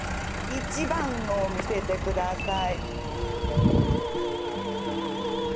１番を見せてください。